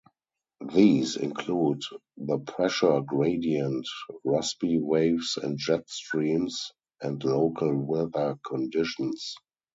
These include the pressure gradient, Rossby waves and jet streams, and local weather conditions.